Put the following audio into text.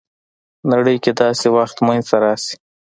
نړۍ کې داسې وضع منځته راسي.